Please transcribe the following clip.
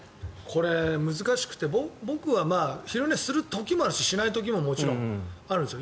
これ、難しくて僕は昼寝する時もあるししない時ももちろんあるんですよ。